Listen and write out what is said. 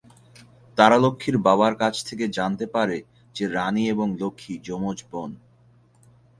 তারা লক্ষ্মীর বাবার কাছ থেকে জানতে পারে যে রানী এবং লক্ষ্মী যমজ বোন।